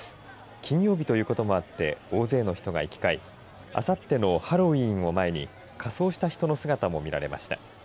金曜日ということもあって大勢の人が行き交いあさってのハロウィーンを前に仮装した人の姿も見られました。